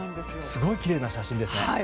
すごいきれいな写真ですね。